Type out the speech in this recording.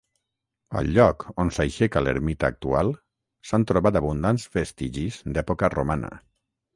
Al lloc on s'aixeca l'ermita actual s'han trobat abundants vestigis d'època romana.